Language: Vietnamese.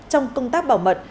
trong công tác bảo mật